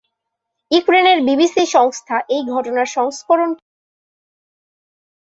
ইউক্রেনের বিবিসি সংস্থা এই ঘটনার সংস্করণকে সমর্থন করে।